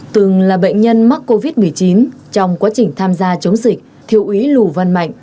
từng là bệnh nhân mắc covid một mươi chín trong quá trình tham gia chống dịch thiếu úy lù văn mạnh